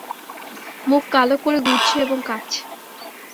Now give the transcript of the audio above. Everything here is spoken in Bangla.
মুখ কালো করে ঘুরছে এবং কাঁদছে।